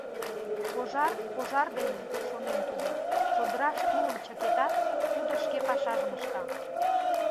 «Пожар — пожар дене, — шонен тудо, чодыраш тулым чыкетат, тудо шке пашажым ышта.